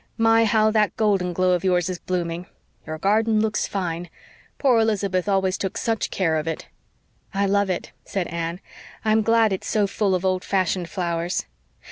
My, how that golden glow of yours is blooming! Your garden looks fine. Poor Elizabeth always took such care of it." "I love it," said Anne. "I'm glad it's so full of old fashioned flowers.